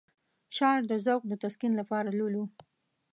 شعر د ذوق د تسکين لپاره لولو.